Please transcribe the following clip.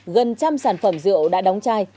gần trăm sản phẩm rượu đã đóng chai